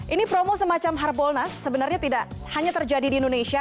ini promo semacam harbolnas sebenarnya tidak hanya terjadi di indonesia